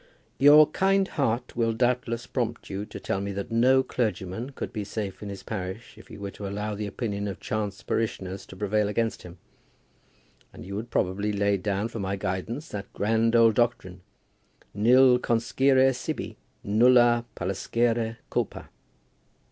Your kind heart will doubtless prompt you to tell me that no clergyman could be safe in his parish if he were to allow the opinion of chance parishioners to prevail against him; and you would probably lay down for my guidance that grand old doctrine, "Nil conscire sibi, nullâ pallescere culpâ."